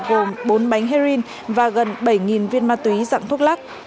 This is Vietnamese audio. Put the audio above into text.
gồm bốn bánh heroin và gần bảy viên ma túy dạng thuốc lắc